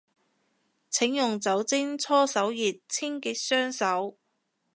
請用酒精搓手液清潔雙手